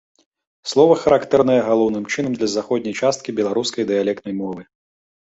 Слова характэрнае галоўным чынам для заходняй часткі беларускай дыялектнай мовы.